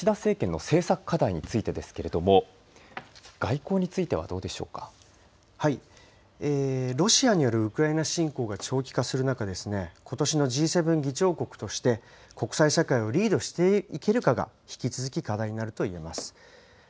では、今後の岸田政権の政策課題についてですけれども、外交ロシアによるウクライナ侵攻が長期化する中、ことしのＧ７議長国として、国際社会をリードしていけるかが引き続き課題になるといえます。